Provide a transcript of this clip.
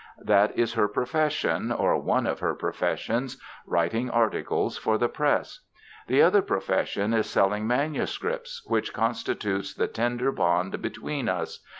That is her profession, or one of her professions writing articles for the press. The other profession is selling manuscripts, which constitutes the tender bond between us.